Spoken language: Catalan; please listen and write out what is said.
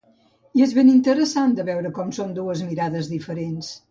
I és ben interessant de veure com són dues mirades diferents.